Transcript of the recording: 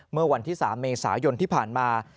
เมื่อวันที่๓เมษายนที่ผ่านมา